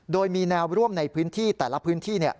โดยมีแนวร่วมในพื้นที่แต่ละพื้นที่